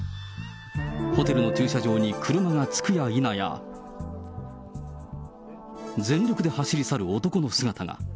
ホテルの駐車場に車が着くやいなや、全力で走り去る男の姿が。